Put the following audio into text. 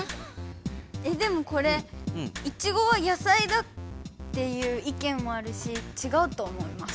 えでもこれいちごはやさいだっていういけんもあるしちがうと思います。